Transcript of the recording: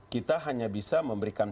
kita hanya bisa memberikan